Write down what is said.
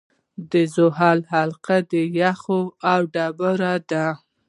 د زحل حلقې د یخ او ډبرو دي.